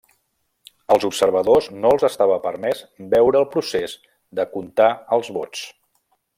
Als observadors no els estava permès veure el procés de contar els vots.